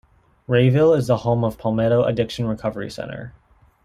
Rayville is the home of Palmetto Addiction Recovery Center.